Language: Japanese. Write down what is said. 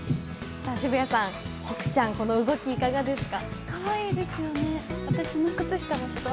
渋谷さん、ほくちゃんのこの動き、いかがですか？